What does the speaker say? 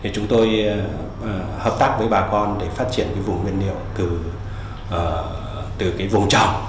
chúng tôi hợp tác với bà con để phát triển vùng nguyên liệu từ vùng trồng